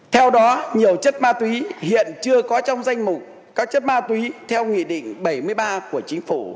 theo đó nhiều chất ma túy hiện chưa có trong danh mục các chất ma túy theo nghị định bảy mươi ba của chính phủ